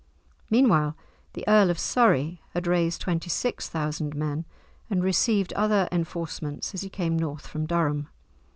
Meanwhile, the Earl of Surrey had raised twenty six thousand men, and received other enforcements as he came north from Durham.